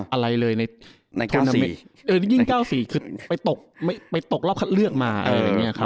อ่าอะไรเลยในในเก้าสี่เออยิ่งเก้าสี่คือไปตกไปตกรอบคัดเลือกมาอะไรแบบนี้ครับ